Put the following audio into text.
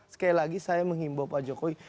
sekali lagi saya menghimbau pak jokowi